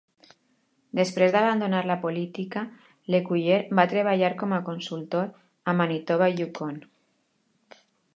Després d'abandonar la política, Lecuyer va treballar com a consultor a Manitoba i Yukon.